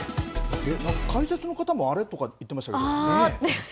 解説の方も、あれとか言ってましたけどね。